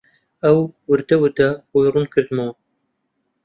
ئەو وردوردە بۆی ڕوون کردمەوە